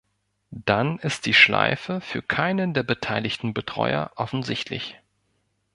Dann ist die Schleife für keinen der beteiligten Betreuer offensichtlich.